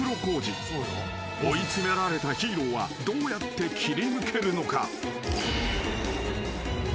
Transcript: ［追い詰められたヒーローはどうやって切り抜けるのか？］